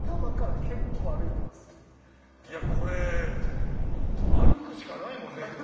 いやこれ歩くしかないもんね。